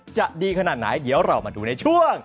จะดีขนาดไหนเดี๋ยวเรามาดูในช่วง